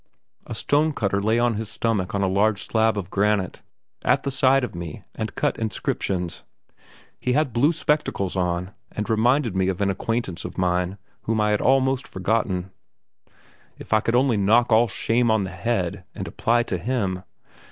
A stone cutter lay on his stomach on a large slab of granite, at the side of me, and cut inscriptions. He had blue spectacles on, and reminded me of an acquaintance of mine, whom I had almost forgotten. If I could only knock all shame on the head and apply to him.